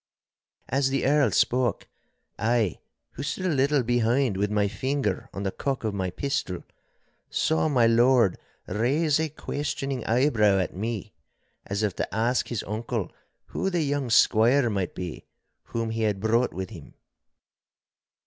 As the Earl spoke, I, who stood a little behind with my finger on the cock of my pistol, saw my lord raise a questioning eyebrow at me, as if to ask his uncle who the young squire might be whom he had brought with him.